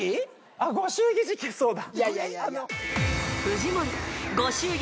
あっご祝儀事件そうだ。